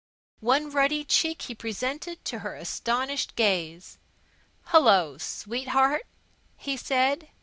One ruddy cheek he presented to her astonished gaze. "Hello, sweetheart," he said.